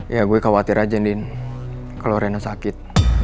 ya gue khawatir aja andin kalo rena sakit